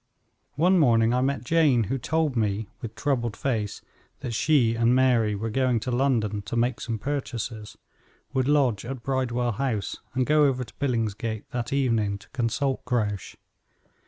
One morning I met Jane, who told me, with troubled face, that she and Mary were going to London to make some purchases, would lodge at Bridewell House, and go over to Billingsgate that evening to consult Grouche.